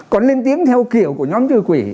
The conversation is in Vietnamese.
còn lên tiếng theo kiểu của nhóm trừ quỷ